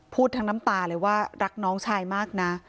พูดทั้งน้ำตาเลยว่ารักน้องชายมากนะ